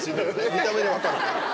見た目で分かるから。